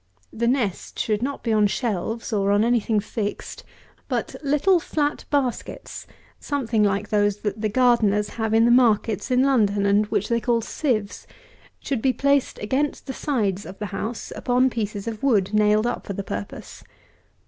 The nest should not be on shelves, or on any thing fixed; but little flat baskets, something like those that the gardeners have in the markets in London, and which they call sieves, should be placed against the sides of the house upon pieces of wood nailed up for the purpose.